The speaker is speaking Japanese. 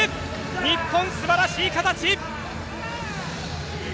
日本、素晴らしい形！